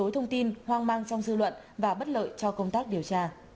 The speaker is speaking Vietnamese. gây rối thông tin hoang mang trong dư luận và bất lợi cho công tác điều tra